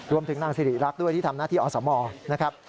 รวมถึงนางสิริรักษ์ด้วยที่ทำหน้าที่อสมนะครับ